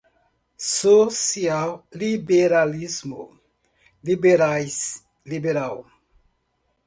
Social-liberalismo, liberais, liberal